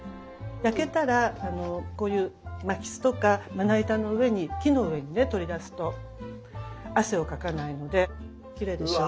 焼けたらこういう巻きすとかまな板の上に木の上にね取り出すと汗をかかないのできれいでしょ？